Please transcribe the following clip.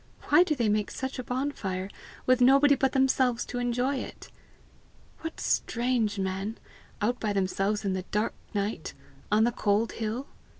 "Why do they make such a bonfire with nobody but themselves to enjoy it? What strange men out by themselves in the dark night, on the cold hill!